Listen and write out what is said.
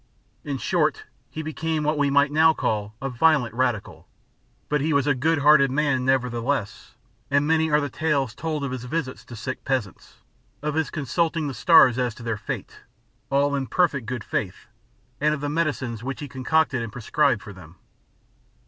In short, he became what we might now call a violent Radical; but he was a good hearted man, nevertheless, and many are the tales told of his visits to sick peasants, of his consulting the stars as to their fate all in perfect good faith and of the medicines which he concocted and prescribed for them.